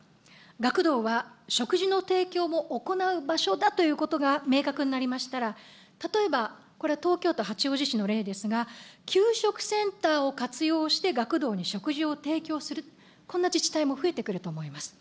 学童は食事の提供も行う場所だということが明確になりましたら、例えば、これは東京都八王子市の例ですが、給食センターを活用して学童に食事を提供する、こんな自治体も増えてくると思います。